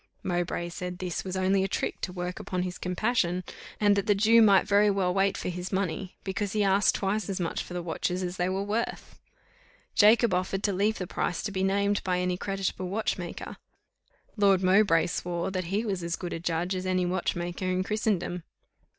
Mowbray said this was only a trick to work upon his compassion, and that the Jew might very well wait for his money, because he asked twice as much for the watches as they were worth. Jacob offered to leave the price to be named by any creditable watchmaker. Lord Mowbray swore that he was as good a judge as any watchmaker in Christendom.